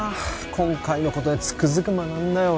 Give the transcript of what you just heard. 今回のことでつくづく学んだよ